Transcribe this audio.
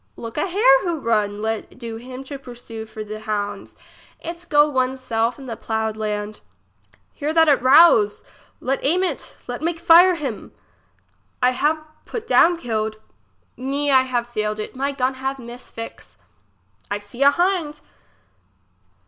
Look a hare who run! let do him to pursue for the hounds! it go one's self in the ploughed land. Here that it rouse. Let aim it ! let make fire him ! I have put down killed. Me, I have failed it ; my gun have miss fixe. 1 see a hind.